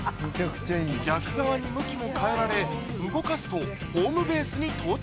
逆側に向きも変えられ動かすとホームベースに到着